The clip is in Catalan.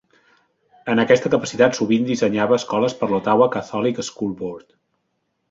En aquesta capacitat sovint dissenyava escoles per l'"Ottawa Catholic School Board".